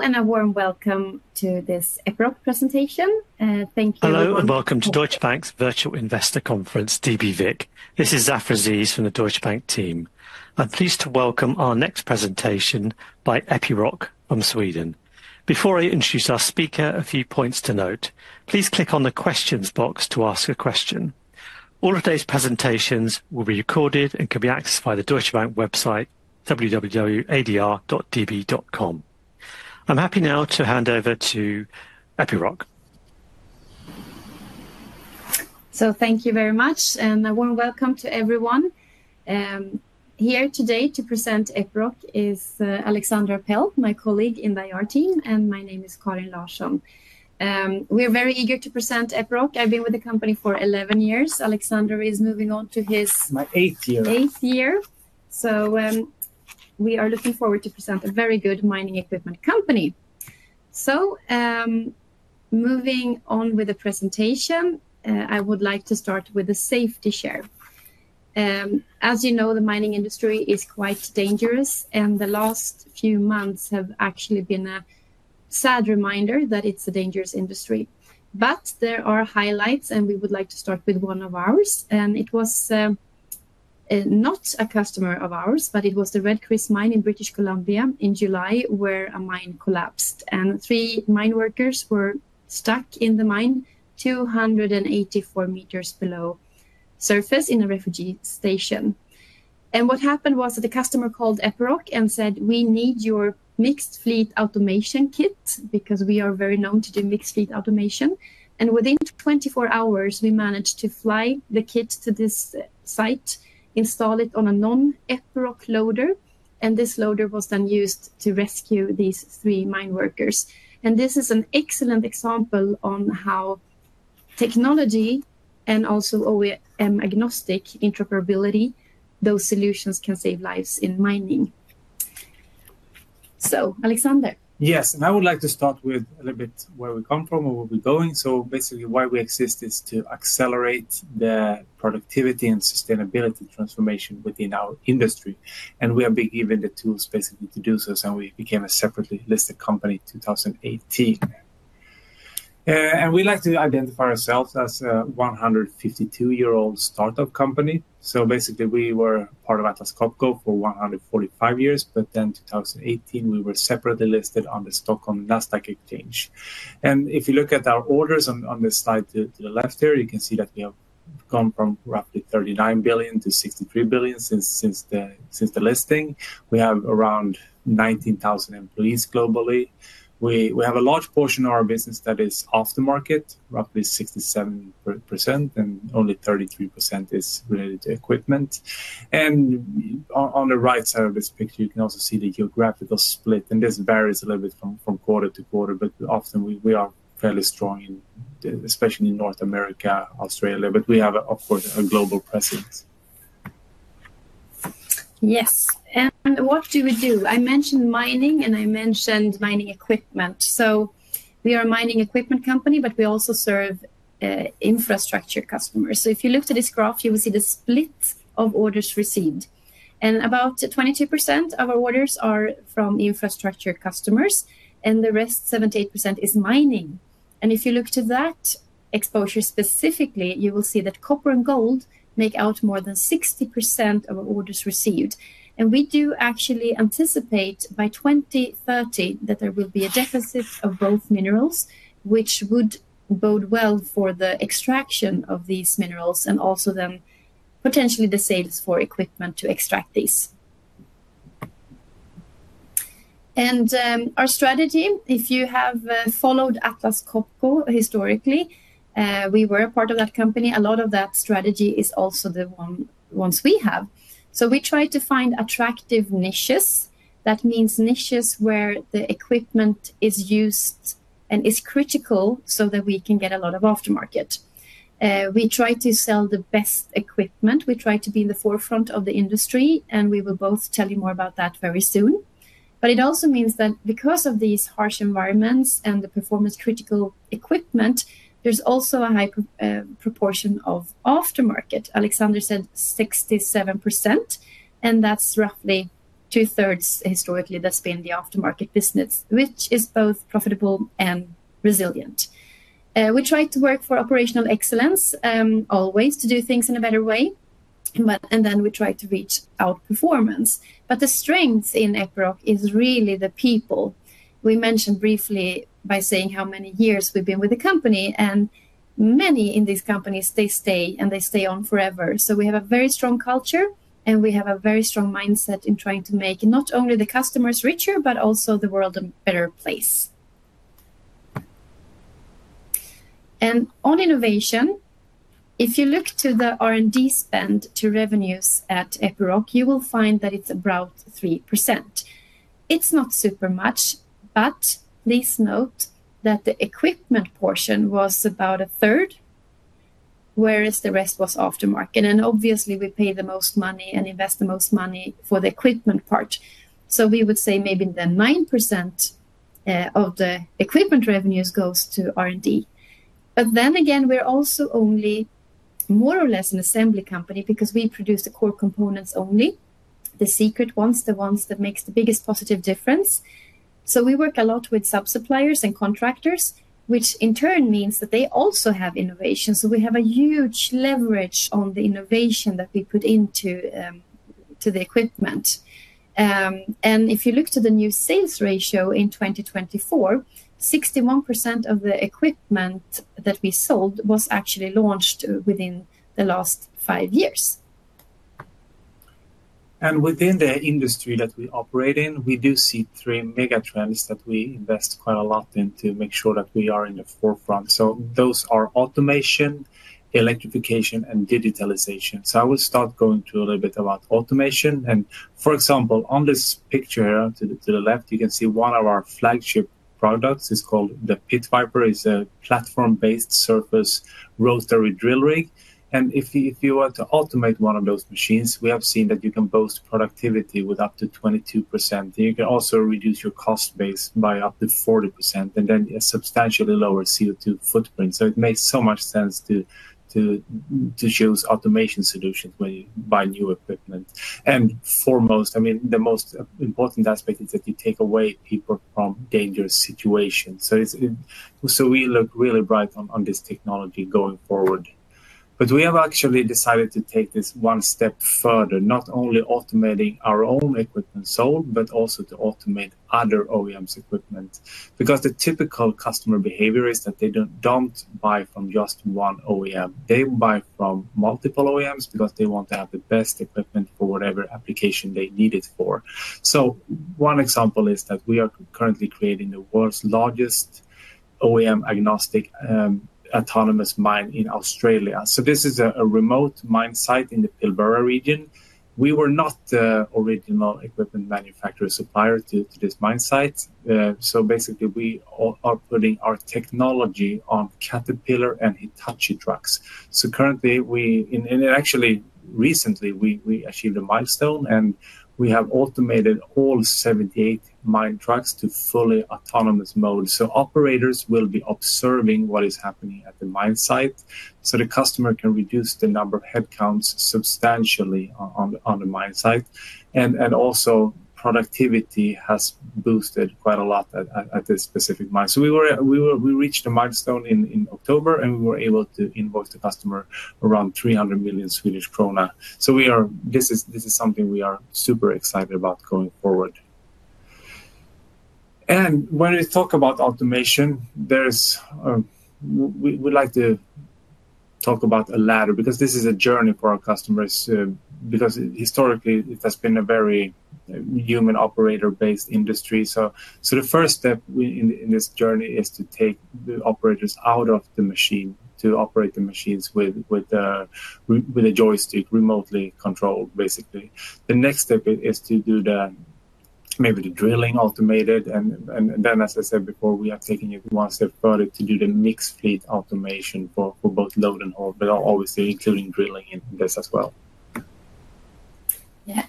A warm welcome to this Epiroc presentation. Thank you. Hello and welcome to Deutsche Bank's Virtual Investor Conference, DBVIC. This is Zafar Aziz from the Deutsche Bank team. I'm pleased to welcome our next presentation by Epiroc from Sweden. Before I introduce our speaker, a few points to note. Please click on the questions box to ask a question. All of today's presentations will be recorded and can be accessed via the Deutsche Bank website, www.adr.db.com. I'm happy now to hand over to Epiroc. So thank you very much and a warm welcome to everyone. Here today to present Epiroc is Alexander Apell, my colleague in the IR team, and my name is Karin Larsson. We're very eager to present Epiroc. I've been with the company for 11 years. Alexander is moving on to his. My eighth year. Eighth year, so we are looking forward to present a very good mining equipment company, so moving on with the presentation, I would like to start with the safety share. As you know, the mining industry is quite dangerous, and the last few months have actually been a sad reminder that it's a dangerous industry. But there are highlights, and we would like to start with one of ours, and it was not a customer of ours, but it was the Red Chris mine in British Columbia in July where a mine collapsed, and three mine workers were stuck in the mine 284 m below surface in a refuge station, and what happened was that the customer called Epiroc and said, "We need your mixed fleet automation kit," because we are very known to do mixed fleet automation. And within 24 hours, we managed to fly the kit to this site, install it on a non-Epiroc loader, and this loader was then used to rescue these three mine workers, and this is an excellent example on how technology and also OEM-agnostic interoperability, those solutions can save lives in mining. So, Alexander. Yes, and I would like to start with a little bit where we come from and where we're going. So basically, why we exist is to accelerate the productivity and sustainability transformation within our industry. And we have been given the tools basically to do so, and we became a separately listed company in 2018. And we like to identify ourselves as a 152-year-old startup company. So basically, we were part of Atlas Copco for 145 years, but then in 2018, we were separately listed on the Stockholm Nasdaq exchange. And if you look at our orders on the slide to the left here, you can see that we have gone from roughly 39 billion to 63 billion since the listing. We have around 19,000 employees globally. We have a large portion of our business that is aftermarket, roughly 67%, and only 33% is related to equipment. And on the right side of this picture, you can also see the geographical split, and this varies a little bit from quarter to quarter, but often we are fairly strong, especially in North America, Australia, but we have, of course, a global presence. Yes. And what do we do? I mentioned mining, and I mentioned mining equipment. So we are a mining equipment company, but we also serve infrastructure customers. So if you look to this graph, you will see the split of orders received. And about 22% of our orders are from infrastructure customers, and the rest, 78%, is mining. And if you look to that exposure specifically, you will see that copper and gold make out more than 60% of our orders received. And we do actually anticipate by 2030 that there will be a deficit of both minerals, which would bode well for the extraction of these minerals and also then potentially the sales for equipment to extract these. And our strategy, if you have followed Atlas Copco historically, we were a part of that company. A lot of that strategy is also the ones we have. So we try to find attractive niches. That means niches where the equipment is used and is critical so that we can get a lot of aftermarket. We try to sell the best equipment. We try to be in the forefront of the industry, and we will both tell you more about that very soon. But it also means that because of these harsh environments and the performance-critical equipment, there's also a high proportion of aftermarket. Alexander said 67%, and that's roughly 2/3 historically that's been the aftermarket business, which is both profitable and resilient. We try to work for operational excellence always to do things in a better way. And then we try to reach outperformance. But the strength in Epiroc is really the people. We mentioned briefly by saying how many years we've been with the company, and many in these companies, they stay and they stay on forever. So we have a very strong culture, and we have a very strong mindset in trying to make not only the customers richer, but also the world a better place. And on innovation, if you look to the R&D spend to revenues at Epiroc, you will find that it's about 3%. It's not super much, but please note that the equipment portion was about 1/3. Whereas the rest was aftermarket. And obviously, we pay the most money and invest the most money for the equipment part. So we would say maybe the 9% of the equipment revenues goes to R&D. But then again, we're also only more or less an assembly company because we produce the core components only, the secret ones, the ones that make the biggest positive difference. So we work a lot with sub-suppliers and contractors, which in turn means that they also have innovation. So we have a huge leverage on the innovation that we put into the equipment. And if you look to the new sales ratio in 2024, 61% of the equipment that we sold was actually launched within the last five years. And within the industry that we operate in, we do see three mega trends that we invest quite a lot in to make sure that we are in the forefront. So those are automation, electrification, and digitalization. So I will start going through a little bit about automation. And for example, on this picture here to the left, you can see one of our flagship products is called the Pit Viper. It's a platform-based surface rotary drill rig. And if you want to automate one of those machines, we have seen that you can boost productivity with up to 22%. You can also reduce your cost base by up to 40% and then substantially lower CO2 footprint. So it makes so much sense to choose automation solutions when you buy new equipment. And foremost, I mean, the most important aspect is that you take away people from dangerous situations. So we look really bright on this technology going forward. But we have actually decided to take this one step further, not only automating our own equipment sold, but also to automate other OEMs' equipment. Because the typical customer behavior is that they don't buy from just one OEM. They buy from multiple OEMs because they want to have the best equipment for whatever application they need it for. So one example is that we are currently creating the world's largest OEM-agnostic autonomous mine in Australia. So this is a remote mine site in the Pilbara region. We were not the original equipment manufacturer supplier to this mine site. So basically, we are putting our technology on Caterpillar and Hitachi trucks. So currently, and actually recently, we achieved a milestone, and we have automated all 78 mine trucks to fully autonomous mode. So operators will be observing what is happening at the mine site so the customer can reduce the number of headcounts substantially on the mine site. And also productivity has boosted quite a lot at this specific mine. So we reached a milestone in October, and we were able to invoice the customer around 300 million Swedish krona. So this is something we are super excited about going forward. And when we talk about automation, we like to talk about a ladder because this is a journey for our customers. Because historically, it has been a very human-operator-based industry. So the first step in this journey is to take the operators out of the machine to operate the machines with a joystick, remotely controlled, basically. The next step is to do maybe the drilling automated. And then, as I said before, we are taking it one step further to do the mixed fleet automation for both load and hold, but obviously including drilling in this as well. Yeah.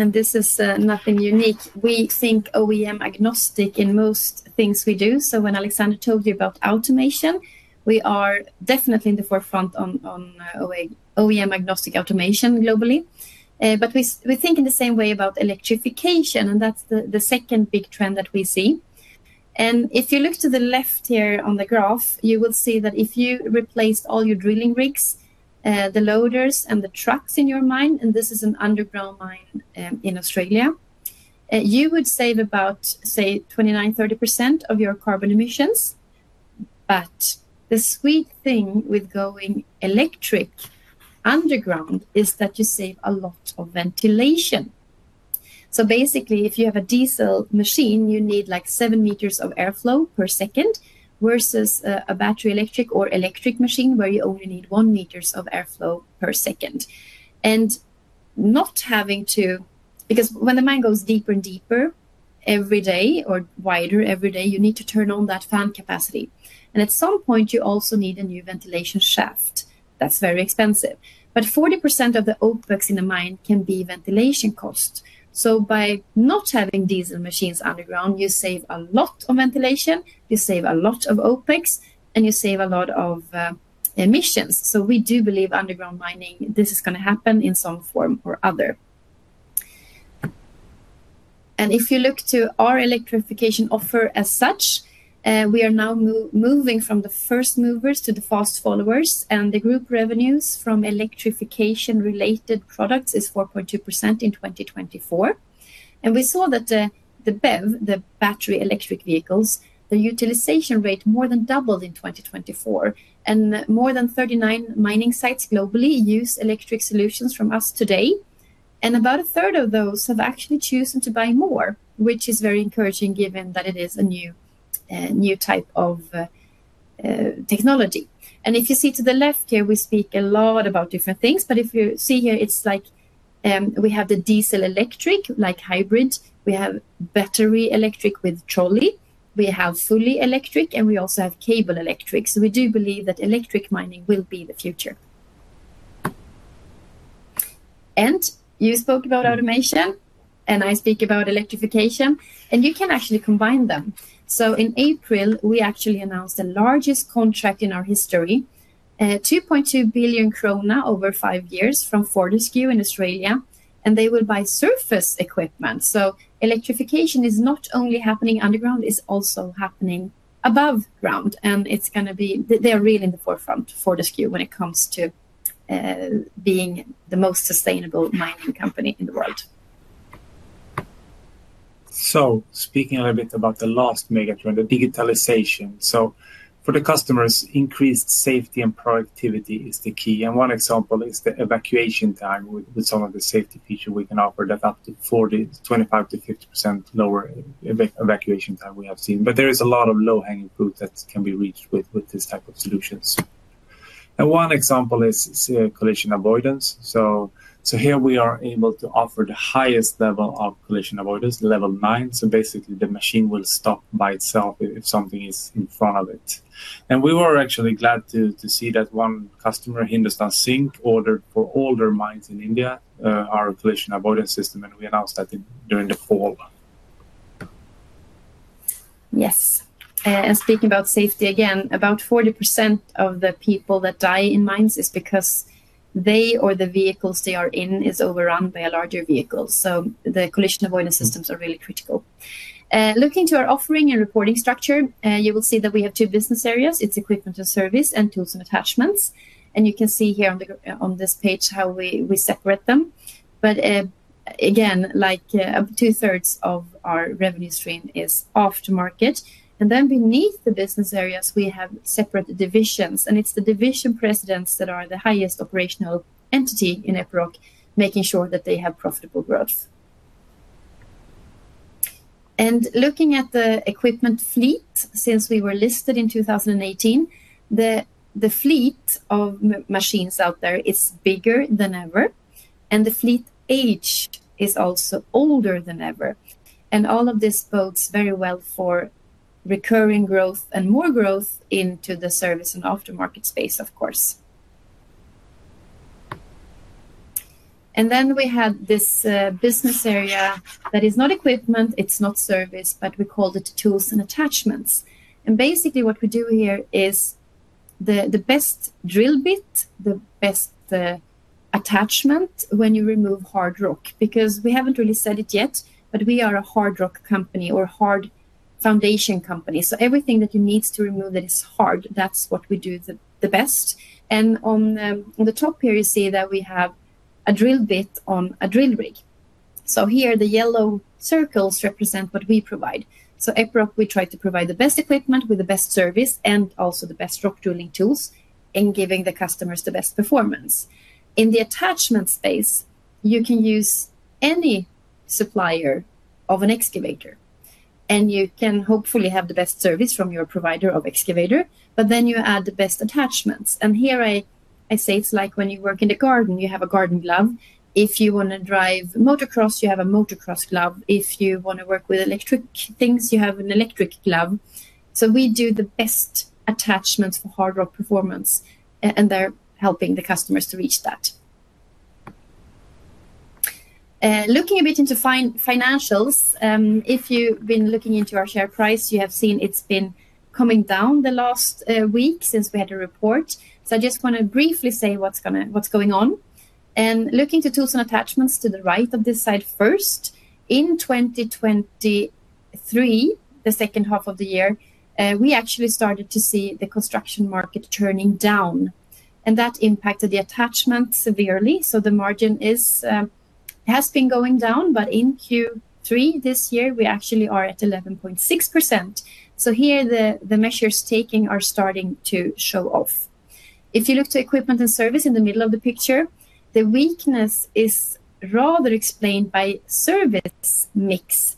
And this is nothing unique. We think OEM-agnostic in most things we do. So when Alexander told you about automation, we are definitely in the forefront on OEM-agnostic automation globally. But we think in the same way about electrification, and that's the second big trend that we see. And if you look to the left here on the graph, you will see that if you replaced all your drilling rigs, the loaders, and the trucks in your mine, and this is an underground mine in Australia, you would save about, say, 29-30% of your carbon emissions. But the sweet thing with going electric underground is that you save a lot of ventilation. So basically, if you have a diesel machine, you need like 7 m of airflow per second versus a battery electric or electric machine where you only need 1 m of airflow per second. And not having to, because when the mine goes deeper and deeper every day or wider every day, you need to turn on that fan capacity. And at some point, you also need a new ventilation shaft. That's very expensive. But 40% of the OPEX in the mine can be ventilation cost. So by not having diesel machines underground, you save a lot of ventilation, you save a lot of OPEX, and you save a lot of emissions. So we do believe underground mining, this is going to happen in some form or other. And if you look to our electrification offer as such, we are now moving from the first movers to the fast followers, and the group revenues from electrification-related products is 4.2% in 2024. And we saw that the battery electric vehicles, the utilization rate more than doubled in 2024. And more than 39 mining sites globally use electric solutions from us today. And about 1/3 of those have actually chosen to buy more, which is very encouraging given that it is a new type of technology. And if you see to the left here, we speak a lot about different things, but if you see here, it's like we have the diesel electric, like hybrid. We have battery electric with trolley. We have fully electric, and we also have cable electric. So we do believe that electric mining will be the future. And you spoke about automation, and I speak about electrification, and you can actually combine them. So in April, we actually announced the largest contract in our history, 2.2 billion krona over five years from Fortescue in Australia, and they will buy surface equipment. So electrification is not only happening underground, it's also happening above ground. And it's going to be. They are really in the forefront, Fortescue, when it comes to being the most sustainable mining company in the world. So speaking a little bit about the last mega trend, the digitalization. So for the customers, increased safety and productivity is the key. And one example is the evacuation time with some of the safety features we can offer that up to 25%-50% lower evacuation time we have seen. But there is a lot of low-hanging fruit that can be reached with this type of solutions. And one example is collision avoidance. So here we are able to offer the highest level of collision avoidance, level 9. So basically, the machine will stop by itself if something is in front of it. And we were actually glad to see that one customer, Hindustan Zinc, ordered for all their mines in India our collision avoidance system, and we announced that during the fall. Yes. And speaking about safety again, about 40% of the people that die in mines is because they or the vehicles they are in is overrun by a larger vehicle. So the collision avoidance systems are really critical. Looking to our offering and reporting structure, you will see that we have two business areas. It's equipment and service and tools and attachments. And you can see here on this page how we separate them. But again, like 2/3 of our revenue stream is aftermarket. And then beneath the business areas, we have separate divisions. And it's the division presidents that are the highest operational entity in Epiroc, making sure that they have profitable growth. And looking at the equipment fleet, since we were listed in 2018, the fleet of machines out there is bigger than ever. And the fleet age is also older than ever. And all of this bodes very well for recurring growth and more growth into the service and aftermarket space, of course. And then we had this business area that is not equipment, it's not service, but we called it tools and attachments. And basically, what we do here is the best drill bit, the best attachment when you remove hard rock. Because we haven't really said it yet, but we are a hard rock company or hard foundation company. So everything that you need to remove that is hard, that's what we do the best. And on the top here, you see that we have a drill bit on a drill rig. So here, the yellow circles represent what we provide. So Epiroc, we try to provide the best equipment with the best service and also the best rock drilling tools and giving the customers the best performance. In the attachment space, you can use any supplier of an excavator, and you can hopefully have the best service from your provider of excavator, but then you add the best attachments. And here I say it's like when you work in the garden, you have a garden glove. If you want to drive motocross, you have a motocross glove. If you want to work with electric things, you have an electric glove. So we do the best attachments for hard rock performance, and they're helping the customers to reach that. Looking a bit into financials, if you've been looking into our share price, you have seen it's been coming down the last week since we had a report. So I just want to briefly say what's going on. And looking to tools and attachments to the right of this side first, in 2023, the second half of the year, we actually started to see the construction market turning down. And that impacted the attachment severely. So the margin has been going down, but in Q3 this year, we actually are at 11.6%. So here, the measures taken are starting to show off. If you look to equipment and service in the middle of the picture, the weakness is rather explained by service mix,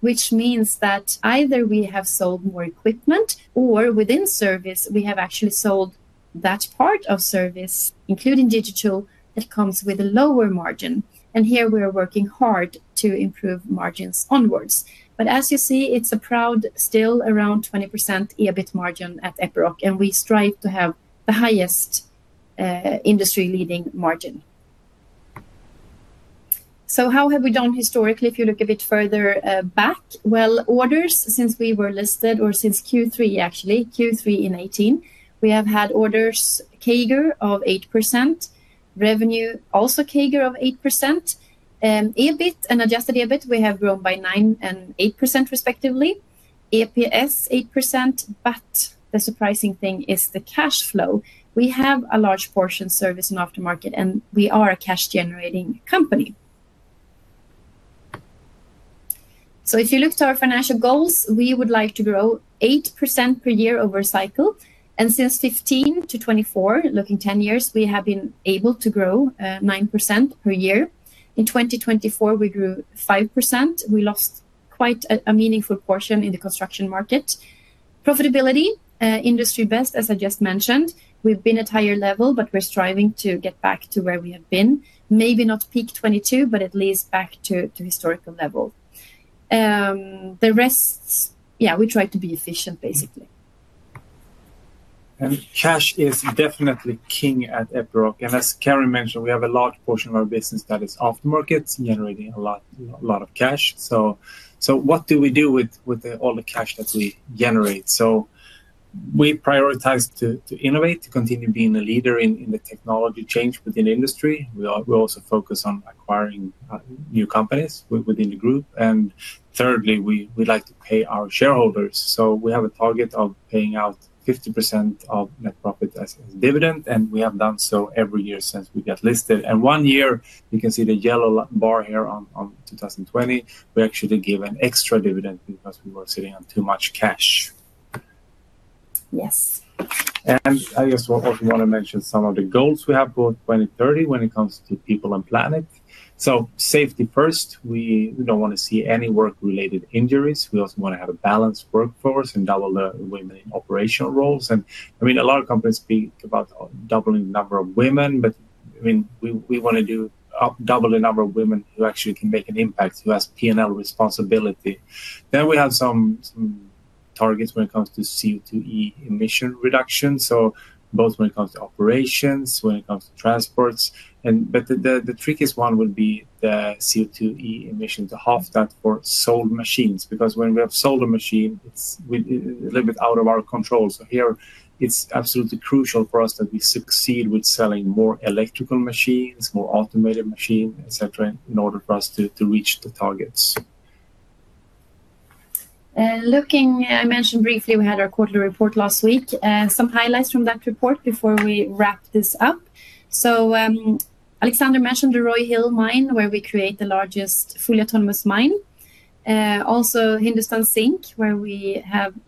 which means that either we have sold more equipment or within service, we have actually sold that part of service, including digital, that comes with a lower margin, and here, we are working hard to improve margins onwards, but as you see, it's broadly still around 20% EBIT margin at Epiroc, and we strive to have the highest industry-leading margin. So how have we done historically if you look a bit further back? Well, orders since we were listed or since Q3, actually, Q3 in 2018, we have had orders CAGR of 8%. Revenue also CAGR of 8%. EBIT and adjusted EBIT, we have grown by 9% and 8% respectively. EPS 8%, but the surprising thing is the cash flow. We have a large portion service and aftermarket, and we are a cash-generating company. So if you look to our financial goals, we would like to grow 8% per year over cycle, and since 2015 to 2024, looking 10 years, we have been able to grow 9% per year. In 2024, we grew 5%. We lost quite a meaningful portion in the construction market. Profitability, industry best, as I just mentioned. We've been at higher level, but we're striving to get back to where we have been. Maybe not peak 2022, but at least back to historical level. The rest, yeah, we try to be efficient, basically. Cash is definitely king at Epiroc. And as Karin mentioned, we have a large portion of our business that is aftermarket, generating a lot of cash. So what do we do with all the cash that we generate? We prioritize to innovate, to continue being a leader in the technology change within the industry. We also focus on acquiring new companies within the group. And thirdly, we like to pay our shareholders. So we have a target of paying out 50% of net profit as a dividend, and we have done so every year since we got listed. And one year, you can see the yellow bar here on 2020, we actually gave an extra dividend because we were sitting on too much cash. Yes. And I just also want to mention some of the goals we have for 2030 when it comes to people and planet. So safety first. We don't want to see any work-related injuries. We also want to have a balanced workforce and double the women in operational roles. And I mean, a lot of companies speak about doubling the number of women, but I mean, we want to double the number of women who actually can make an impact, who has P&L responsibility. Then we have some targets when it comes to CO2e emission reduction. So both when it comes to operations, when it comes to transports. But the trickiest one would be the CO2e emission to half that for sold machines. Because when we have sold a machine, it's a little bit out of our control. So here, it's absolutely crucial for us that we succeed with selling more electrical machines, more automated machines, etc., in order for us to reach the targets. Looking, I mentioned briefly we had our quarterly report last week. Some highlights from that report before we wrap this up. So Alexander mentioned the Roy Hill mine, where we create the largest fully autonomous mine. Also, Hindustan Zinc, where we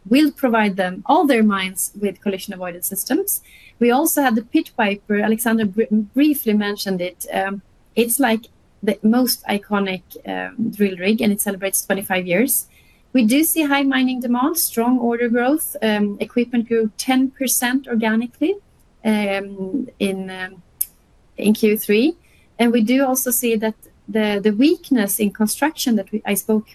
will provide all their mines with collision avoidance systems. We also had the Pit Viper. Alexander briefly mentioned it. It's like the most iconic drill rig, and it celebrates 25 years. We do see high mining demand, strong order growth. Equipment grew 10% organically in Q3. And we do also see that the weakness in construction that I spoke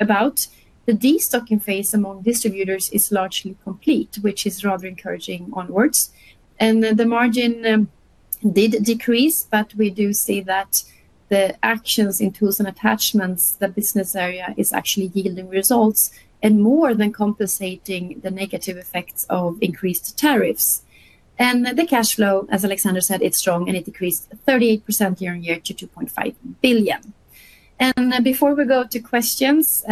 about, the destocking phase among distributors is largely complete, which is rather encouraging onwards. And the margin did decrease, but we do see that the actions in tools and attachments, the business area is actually yielding results and more than compensating the negative effects of increased tariffs. And the cash flow, as Alexander said, it's strong, and it decreased 38% year-on-year to 2.5 billion. And before we go to questions,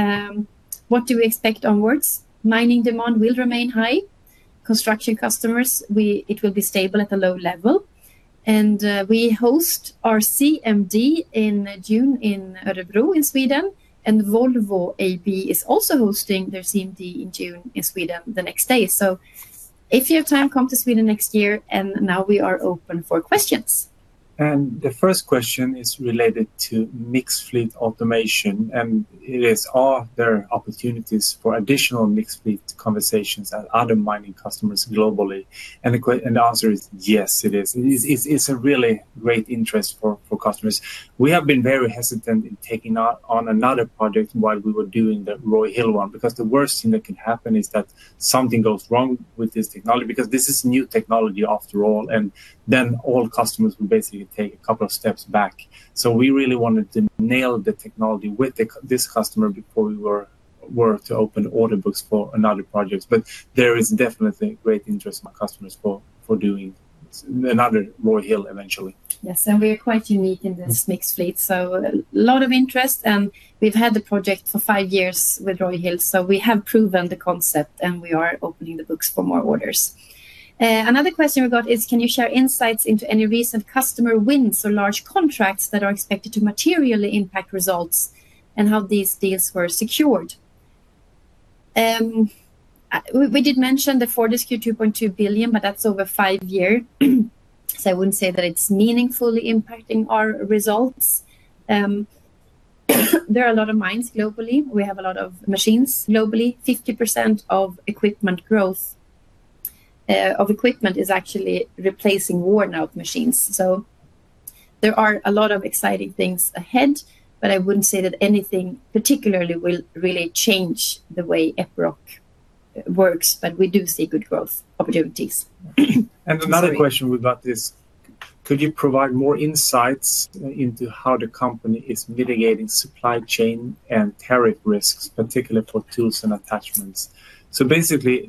what do we expect onwards? Mining demand will remain high. Construction customers, it will be stable at a low level. And we host our CMD in June in Örebro in Sweden. And Volvo AB is also hosting their CMD in June in Sweden the next day. So if you have time, come to Sweden next year, and now we are open for questions. And the first question is related to mixed-fleet automation. And it is, are there opportunities for additional mixed-fleet conversations at other mining customers globally? And the answer is yes, it is. It's a really great interest for customers. We have been very hesitant in taking on another project while we were doing the Roy Hill one. Because the worst thing that can happen is that something goes wrong with this technology. Because this is new technology after all, and then all customers will basically take a couple of steps back. So we really wanted to nail the technology with this customer before we were to open order books for another project. But there is definitely great interest from customers for doing another Roy Hill eventually. Yes. And we are quite unique in this mixed fleet. So a lot of interest. And we've had the project for five years with Roy Hill. So we have proven the concept, and we are opening the books for more orders. Another question we got is, can you share insights into any recent customer wins or large contracts that are expected to materially impact results and how these deals were secured? We did mention the Fortescue 2.2 billion, but that's over five years. So I wouldn't say that it's meaningfully impacting our results. There are a lot of mines globally. We have a lot of machines globally. 50% of equipment growth. Of equipment is actually replacing worn-out machines. So. There are a lot of exciting things ahead, but I wouldn't say that anything particularly will really change the way Epiroc works. But we do see good growth opportunities. And another question we got is, could you provide more insights into how the company is mitigating supply chain and tariff risks, particularly for tools and attachments? So basically,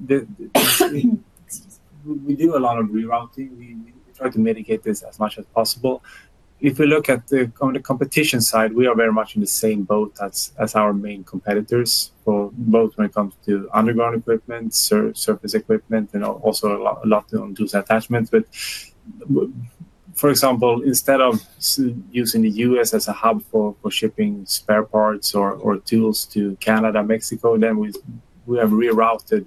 we do a lot of rerouting. We try to mitigate this as much as possible. If we look at the competition side, we are very much in the same boat as our main competitors for both when it comes to underground equipment, surface equipment, and also a lot on tools and attachments. But for example, instead of using the U.S. as a hub for shipping spare parts or tools to Canada and Mexico, then we have rerouted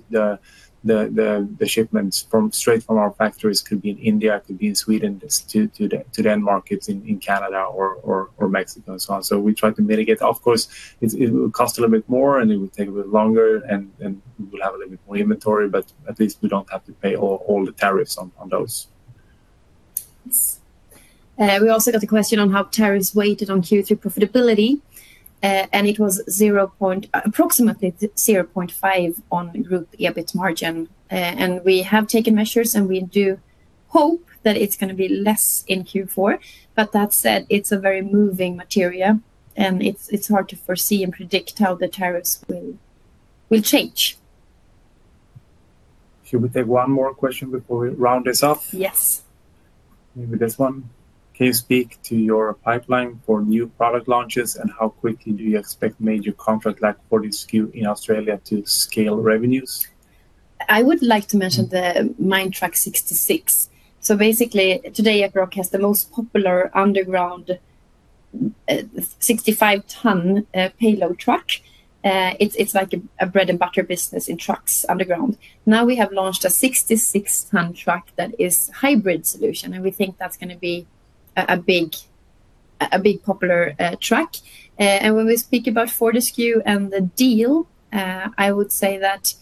the shipments straight from our factories. It could be in India, it could be in Sweden, to the markets in Canada or Mexico and so on. So we try to mitigate. Of course, it will cost a little bit more, and it will take a bit longer, and we will have a little bit more inventory, but at least we don't have to pay all the tariffs on those. We also got a question on how tariffs weighed on Q3 profitability. It was approximately 0.5% on group EBIT margin. We have taken measures, and we do hope that it's going to be less in Q4. But that said, it's a very moving matter, and it's hard to foresee and predict how the tariffs will change. Should we take one more question before we round this up? Yes. Maybe this one. Can you speak to your pipeline for new product launches and how quickly do you expect major contract like Fortescue in Australia to scale revenues? I would like to mention the Minetruck 66. So basically, today, Epiroc has the most popular underground 65-ton payload truck. It's like a bread-and-butter business in trucks underground. Now we have launched a 66-ton truck that is a hybrid solution, and we think that's going to be a big popular truck. And when we speak about Fortescue and the deal, I would say that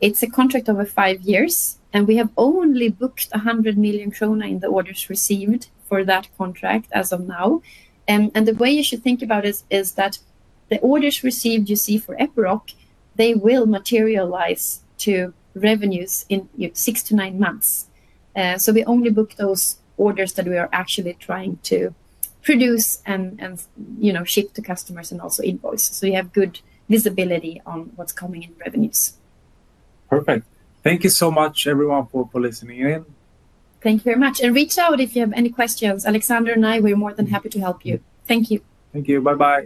it's a contract over five years. And we have only booked 100 million krona in the orders received for that contract as of now. And the way you should think about it is that the orders received you see for Epiroc, they will materialize to revenues in six to nine months. So we only book those orders that we are actually trying to produce and ship to customers and also invoice. So we have good visibility on what's coming in revenues. Perfect. Thank you so much, everyone, for listening in. Thank you very much, and reach out if you have any questions. Alexander and I, we're more than happy to help you. Thank you. Thank you. Bye-bye.